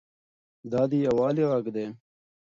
دا د یووالي غږ دی.